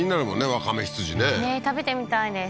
わかめ羊ね食べてみたいです